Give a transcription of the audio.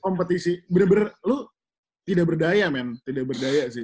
kompetisi bener bener lu tidak berdaya men tidak berdaya sih